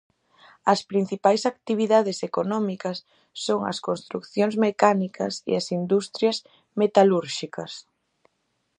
As principais actividades económicas son as construcións mecánicas e as industrias metalúrxicas.